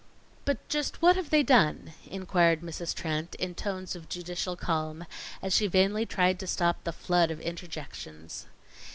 "But just what have they done?" inquired Mrs. Trent, in tones of judicial calm, as she vainly tried to stop the flood of interjections.